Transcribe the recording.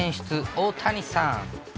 大谷さん。